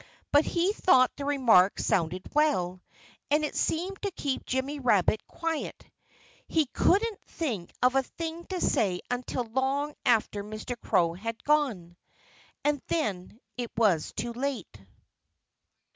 But he thought the remark sounded well. And it seemed to keep Jimmy Rabbit quiet. He couldn't think of a thing to say until long after Mr. Crow had gone. And then it was too late.